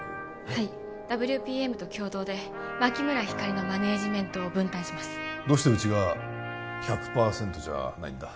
はいＷＰＭと共同で牧村ひかりのマネージメントを分担しますどうしてうちが１００％じゃないんだ？